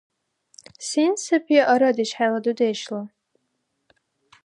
Сен саби арадеш хӀела дудешла?